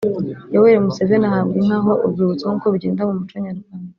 yoweri museveni ahabwa inka ho urwibutso nk'uko bigenda mu muco nyarwanda